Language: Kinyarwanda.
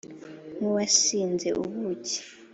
nk'uwasinze ubuki